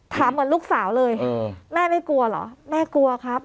ถามเหมือนลูกสาวเลยแม่ไม่กลัวเหรอแม่กลัวครับ